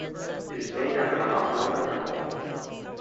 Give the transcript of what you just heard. It is named after the Hasanamba temple.